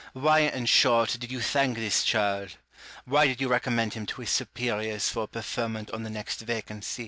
Why, in short, did you thank this churl ? Why did you recommend him to his superiors for perferment on the next vacancy 1 Malesherbes.